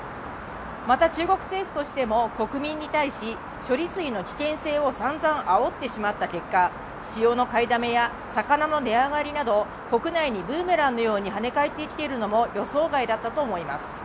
また、中国政府としても国民に対し処理水の危険性をさんざんあおってしまった結果塩の買いだめや魚の値上がりなど、国内にブーメランのようにはね返ってきているのも予想外だったと思います。